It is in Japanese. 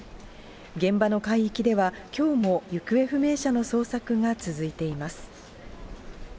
現場の海域では、きょうも行方不明者の捜索が続いています。